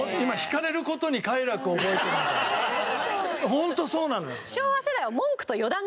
ホントそうなのよ。